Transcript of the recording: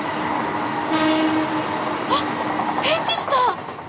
あっ返事した！